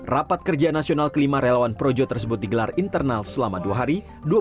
rapat kerja nasional kelima relawan projo tersebut digelar internal selama dua hari